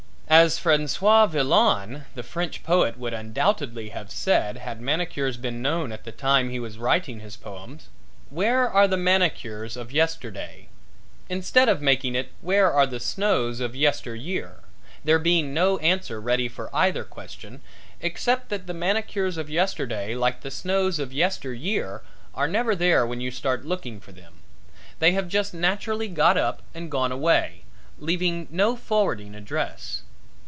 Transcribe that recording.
As Francois Villon, the French poet would undoubtedly have said had manicures been known at the time he was writing his poems, "Where are the manicures of yesterday?" instead of making it, "Where are the snows of yesteryear?" there being no answer ready for either question, except that the manicures of yesterday like the snows of yesteryear are never there when you start looking for them. They have just naturally got up and gone away, leaving no forwarding address.